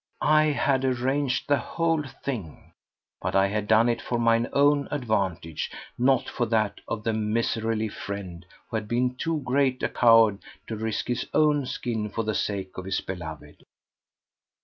I had arranged the whole thing! But I had done it for mine own advantage, not for that of the miserly friend who had been too great a coward to risk his own skin for the sake of his beloved.